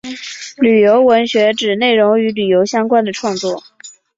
旅游文学指内容与旅游相关的创作。